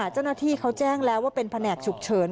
เจ้าหน้าที่เขาแจ้งแล้วว่าเป็นแผนกฉุกเฉิน